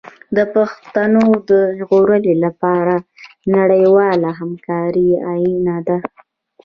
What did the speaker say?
د پښتو د ژغورلو لپاره نړیواله همکاري اړینه ده.